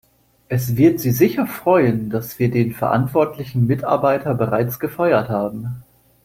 Es wird Sie sicher freuen, dass wir den verantwortlichen Mitarbeiter bereits gefeuert haben.